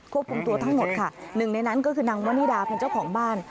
ควบคุมตัวทั้งหมดค่ะ๑ในนั้นก็คือนางมณีดาเป็นเจ้าของบ้าน